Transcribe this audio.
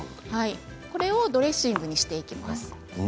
これをドレッシングにしていきます。